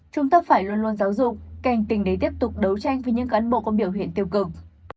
chúng ta phải luôn luôn giáo dục cảnh tình để tiếp tục đấu tranh với những cán bộ có biểu hiện tiêu cực